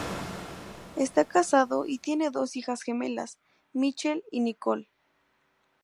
Está casado y tiene dos hijas gemelas, Michelle y Nicole.